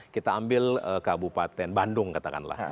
kita ambil kabupaten bandung katakanlah